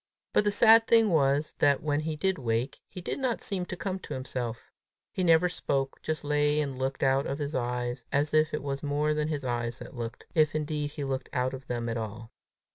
But the sad thing was, that, when he did wake, he did not seem to come to himself. He never spoke, but just lay and looked out of his eyes, if indeed it was more than his eyes that looked, if indeed he looked out of them at all!